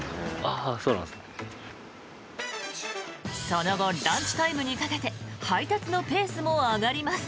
その後、ランチタイムにかけて配達のペースも上がります。